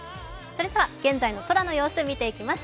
現在の空の様子を見ていきます。